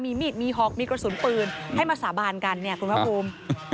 มีมีดมีหอกมีกระสุนปืนให้มาสาบานกันเนี่ยคุณภาคภูมิ